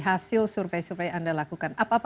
hasil survei survei yang anda lakukan